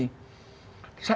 saya tidak percaya